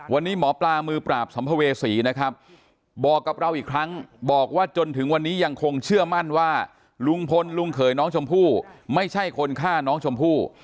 วันนี้หมอปลามือปราบสัมภเวษีนะครับบอกกับเราอีกครั้งบอกว่าจนถึงวันนี้ยังคงเชื่อมั่นว่าลุงพลลุงเขยน้องชมพู่ไม่ใช่คนฆ่าน้องชมพู่